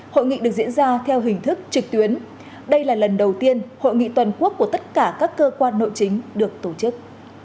hội nghị được diễn ra theo hình thức trực tuyến đây là lần đầu tiên hội nghị toàn quốc của tất cả các cơ quan nội chính được tổ chức